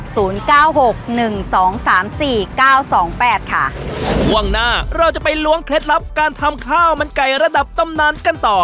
เก้าหกหนึ่งสองสามสี่เก้าสองแปดค่ะช่วงหน้าเราจะไปล้วงเคล็ดลับการทำข้าวมันไก่ระดับตำนานกันต่อ